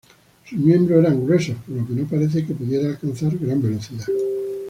Sus miembros eran gruesos, por lo que no parece que pudiera alcanzar gran velocidad.